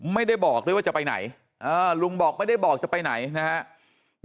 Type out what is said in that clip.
ไม่ได้บอกด้วยว่าจะไปไหนลุงบอกไม่ได้บอกจะไปไหนนะครับ